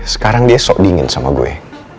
sekarang dia sok dingin sama gue